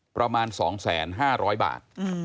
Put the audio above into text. ประมาณสองแสนห้าร้อยบาท